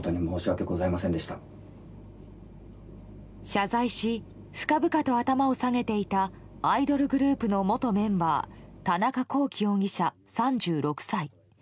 謝罪し、深々と頭を下げていたアイドルグループの元メンバー田中聖容疑者、３６歳。